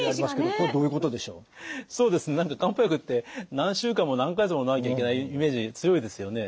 何か漢方薬って何週間も何か月ものまなきゃいけないイメージ強いですよね。